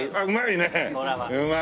うまいね。